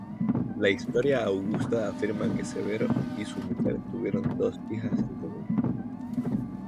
La Historia Augusta afirma que Severo y su mujer tuvieron dos hijas en común.